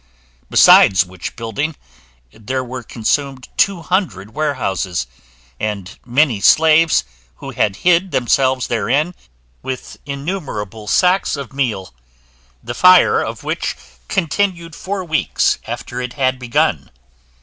Besides which building, there were consumed two hundred warehouses, and many slaves, who had hid themselves therein, with innumerable sacks of meal; the fire of which continued four weeks after it had begun.